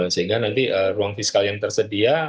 sehingga nanti ruang fiskal yang tersedia